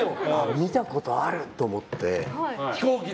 見たことある！と思って。